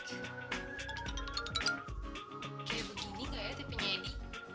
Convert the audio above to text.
kayak begini nggak ya tipenya ini